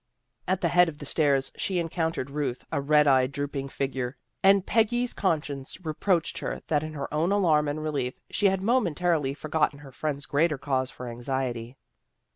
At the head of the stairs she encountered Ruth, a red eyed, drooping figure, and Peggy's conscience reproached her that in her own alarm and relief, she had momentarily forgotten her friend's greater cause for anxiety.